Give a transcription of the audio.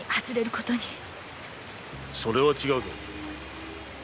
それは違うぞ。